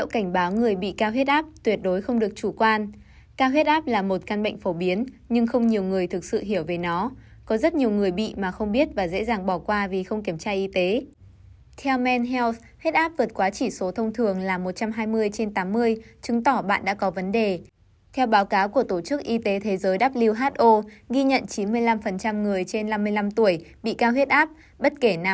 các bạn hãy đăng ký kênh để ủng hộ kênh của chúng mình nhé